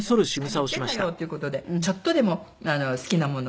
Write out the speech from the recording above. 「何言ってんだよ！」っていう事でちょっとでも好きなものがね